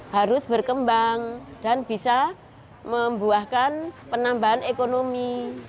harus berkembang dan bisa membuahkan penambahan ekonomi